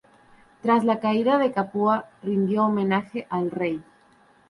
Tras la caída de Capua, rindió homenaje al rey.